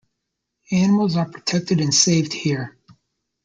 Animals are "protected and saved" here.